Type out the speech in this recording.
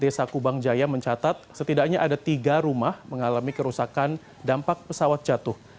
desa kubang jaya mencatat setidaknya ada tiga rumah mengalami kerusakan dampak pesawat jatuh